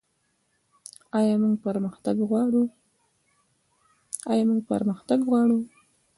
آیا موږ پرمختګ غواړو؟